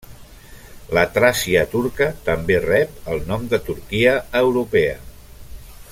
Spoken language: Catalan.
La Tràcia turca també rep el nom de Turquia europea.